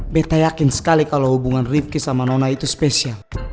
beta yakin sekali kalau hubungan rifki sama nona itu spesial